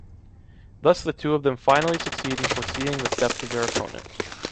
Thus the two of them finally succeed in foreseeing the steps of their opponent.